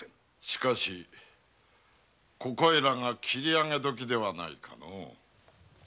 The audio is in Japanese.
しかしここいらが切りあげどきではないかの。